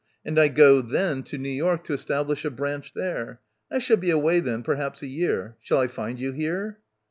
And I go then to New York to establish a branch there. I shall be away then, perhaps a year. Shall I find you here?"